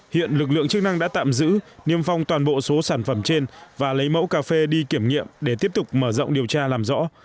hiện lực lượng chức năng đã tạm giữ niêm phong toàn bộ số sản phẩm trên và lấy mẫu cà phê đi kiểm nghiệm để tiếp tục mở rộng điều tra làm rõ